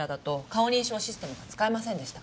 顔認証システムは使えませんでした。